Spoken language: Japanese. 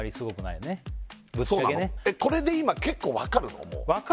これで今結構分かるの？